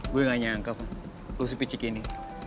gue gak nyangka mon lu sepici gini